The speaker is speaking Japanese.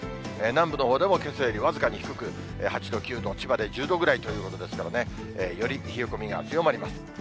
南部のほうでもけさより僅かに低く、８度、９度、千葉で１０度ぐらいということですからね、より冷え込みが強まります。